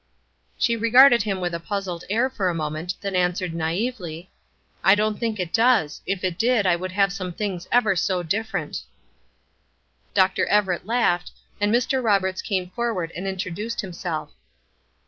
She regarded him with a puzzled air for a moment, then answered naïvely: "I don't think it does; if it did I would have some things ever so different." Dr. Everett laughed; and Mr. Roberts came forward and introduced himself.